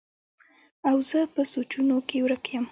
او زۀ پۀ سوچونو کښې ورک يم